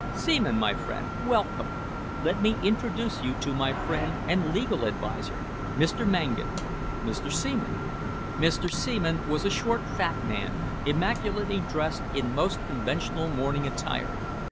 "Seaman, my friend, welcome! Let me introduce you to my friend and legal adviser, Mr. Mangan Mr. Seaman." Mr. Seaman was a short, fat man, immaculately dressed in most conventional morning attire.